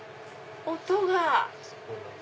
音が。